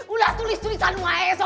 udah tulis tulisan maes